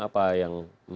apa yang menjadi